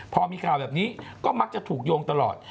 พอมีข่าวแบบนี้ก็มักจะถูกโยงตลอด